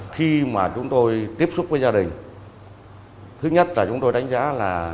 khi mà chúng tôi tiếp xúc với gia đình thứ nhất là chúng tôi đánh giá là